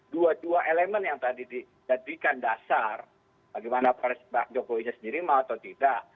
dua dua elemen yang tadi dijadikan dasar bagaimana pak jokowi nya sendiri mau atau tidak